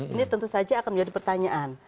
ini tentu saja akan menjadi pertanyaan